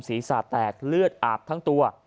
ปีศาจแตกเหลืออาบทั้งตัว